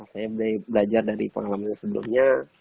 saya belajar dari pengalaman sebelumnya